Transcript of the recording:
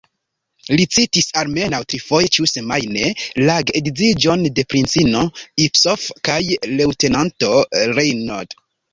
Li citis, almenaŭ trifoje ĉiusemajne, la geedziĝon de princino Ipsof kaj leŭtenanto Reinauld.